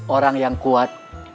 orang yang kuat